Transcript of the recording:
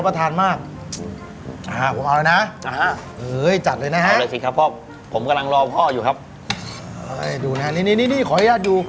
อย่างนั้นผมขอกินหัวดีกว่า